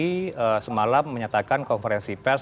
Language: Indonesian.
kapolri semalam menyatakan konferensi pes